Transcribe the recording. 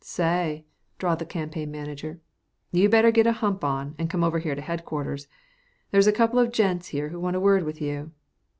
"Say," drawled the campaign manager, "you'd better get a hump on, and come over here to headquarters. There's a couple of gents here who want a word with you."